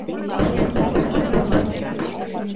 იგი ცნობილია სხვადასხვა ჯგუფთან და მუსიკოსთან თანამშრომლობით.